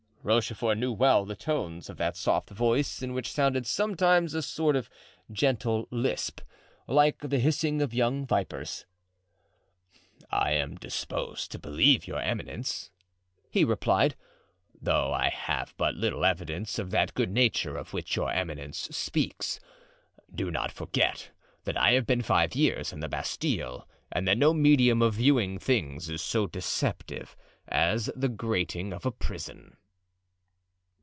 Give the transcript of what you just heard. Rochefort knew well the tones of that soft voice, in which sounded sometimes a sort of gentle lisp, like the hissing of young vipers. "I am disposed to believe your eminence," he replied; "though I have had but little evidence of that good nature of which your eminence speaks. Do not forget that I have been five years in the Bastile and that no medium of viewing things is so deceptive as the grating of a prison."